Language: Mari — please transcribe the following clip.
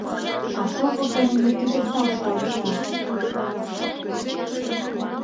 А сово кырыме кӱдырталт талышна.